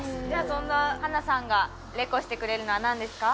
そんなハナさんがレコしてくれるのは何ですか？